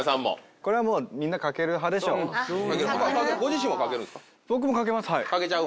これはもうみんなかける派でしょう。